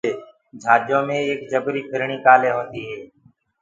جھاجو مي ايڪ جبريٚ ڦرڻيٚ ڪآلي هونديٚ هي